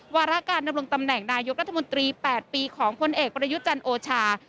วาระการดำรงตำแหน่งนายกรัฐมนตรี๘ปีของพลเอกประยุทธ์จันทร์โอชา